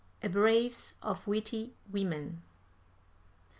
A BRACE OF WITTY WOMEN.